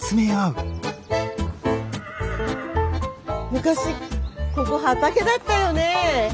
昔ここ畑だったよね？